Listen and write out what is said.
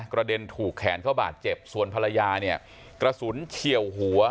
กระเด็นถูกแขนเขาบาดเจ็บส่วนภรรยาเนี่ยกระสุนเฉียวหัว